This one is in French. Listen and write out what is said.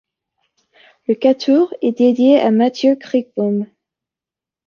Le quatuor est dédié à Mathieu Crickboom.